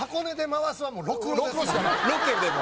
ロケでも？